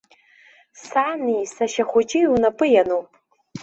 Сани сашьа хәыҷи унапы иануп.